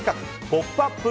「ポップＵＰ！」